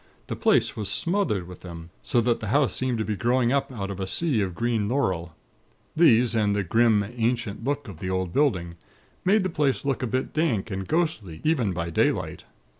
The place was smothered with them; so that the house seemed to be growing up out of a sea of green laurel. These, and the grim, ancient look of the old building, made the place look a bit dank and ghostly, even by daylight.